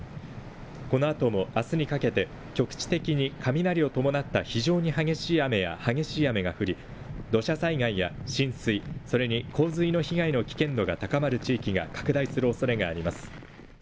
このあともあすにかけて局地的に雷を伴った非常に激しい雨や激しい雨が降り土砂災害や浸水、それに洪水の被害の危険度が高まる地域が拡大するおそれがあります。